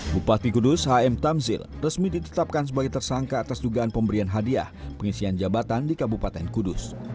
bupati kudus h m tamzil resmi ditetapkan sebagai tersangka atas dugaan pemberian hadiah pengisian jabatan di kabupaten kudus